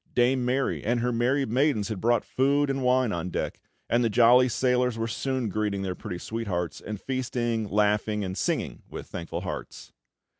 Dame Mary and her merry maidens had brought food and wine on deck, and the jolly sailors were soon greeting their pretty sweethearts, and feasting, laughing, and singing with thankful hearts.